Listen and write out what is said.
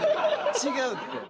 違うって。